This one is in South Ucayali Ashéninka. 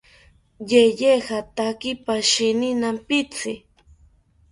Yeye jataki pashini nampitzi